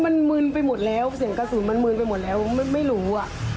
มันมืนไปหมดแล้วเสียงกระสุนมันมืนไปหมดแล้วไม่รู้อ่ะ